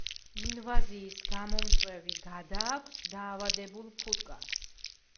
ინვაზიის გამომწვევი გადააქვს დაავადებულ ფუტკარს.